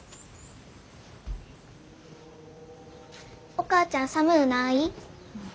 お母ちゃん寒うない？